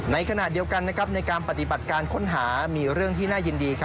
ในขณะเดียวกันในการปฏิบัติการค้นหามีเรื่องที่น่ายินดี